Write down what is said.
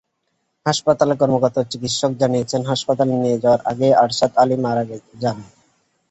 হাসপাতালের কর্তব্যরত চিকিৎসক জানিয়েছেন, হাসপাতালে নিয়ে যাওয়ার আগেই আরশেদ আলী মারা যান।